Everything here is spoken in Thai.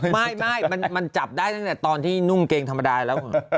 ไม่มันจับได้ตั้งแต่ตอนที่นุ่งเกงธรรมดาแล้ว